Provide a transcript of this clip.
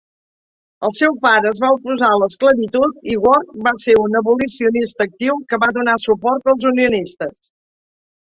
El seu pare es va oposar a l'esclavitud i Work va ser un abolicionista actiu que va donar suport als unionistes.